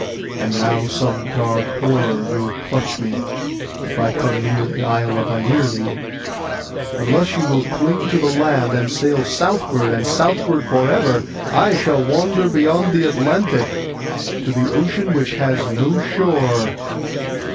And now some dark horror will clutch me, if I come near the Isle of Ierne. Unless you will cling to the land, and sail southward and southward for ever, I shall wander beyond the Atlantic, to the ocean which has no shore.